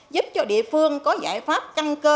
giúp cho địa phương có giải pháp căng cơ